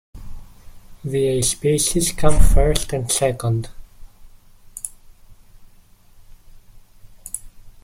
The Espaces came first and second.